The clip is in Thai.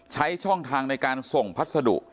ใช้ช่องทางในการส่งพัสดุ